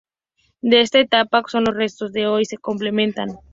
De esta etapa son los restos que hoy se contemplan.